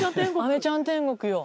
あめちゃん天国よ。